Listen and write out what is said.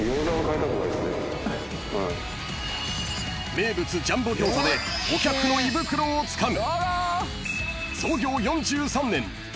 ［名物ジャンボ餃子でお客の胃袋をつかむ］